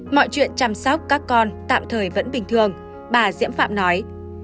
mọi chuyện chăm sóc các con tạm thời vẫn bình thường bà diễm phạm nói